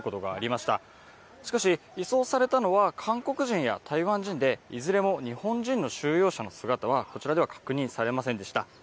しかし移送されたのは韓国人や台湾人でいずれも日本人の収容者の姿はこちらでは確認できませんでした。